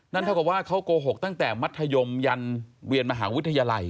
เท่ากับว่าเขาโกหกตั้งแต่มัธยมยันเรียนมหาวิทยาลัย